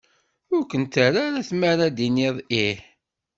Ur kem-terra ara tmara ad tiniḍ ih.